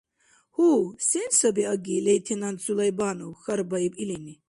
— Гьу, сен саби аги, лейтенант Сулайбанов? — хьарбаиб илини.